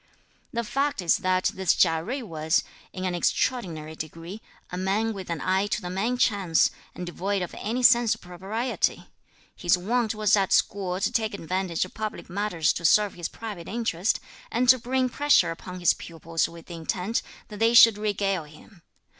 The fact is that this Chia Jui was, in an extraordinary degree, a man with an eye to the main chance, and devoid of any sense of propriety. His wont was at school to take advantage of public matters to serve his private interest, and to bring pressure upon his pupils with the intent that they should regale him.